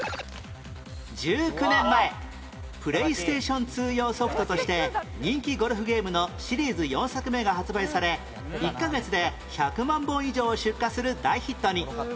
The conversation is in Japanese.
１９年前 ＰｌａｙＳｔａｔｉｏｎ２ 用ソフトとして人気ゴルフゲームのシリーズ４作目が発売され１カ月で１００万本以上出荷する大ヒットに